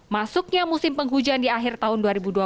masuknya musim penghujan di akhir tahun dua ribu dua puluh